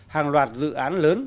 hàng loạt dự án lớn